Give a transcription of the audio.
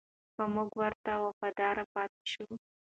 که موږ ورته وفادار پاتې شو.